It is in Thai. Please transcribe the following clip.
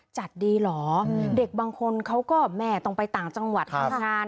ดีเหรอเด็กบางคนเขาก็แม่ต้องไปต่างจังหวัดทำงาน